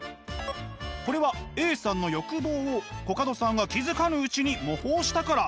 これはＡさんの欲望をコカドさんが気付かぬうちに模倣したから。